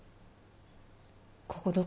ここどこ？